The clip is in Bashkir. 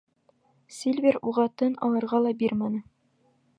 Сильвер уға тын алырға ла бирмәне.